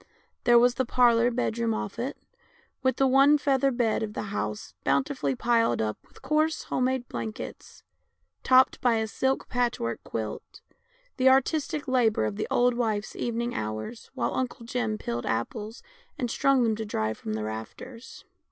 There was the parlour bedroom off it, with the one feather bed of the house bountifully piled up with coarse home made blankets, topped by a silk patchwork quilt, the artistic labour of the old wife's evening hours while Uncle Jim peeled apples and strung them to dry from the rafters.